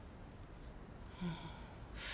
うん。